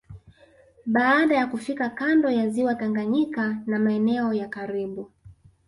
Baada ya kufika kando ya ziwa Tanganyika na maeneo ya karibu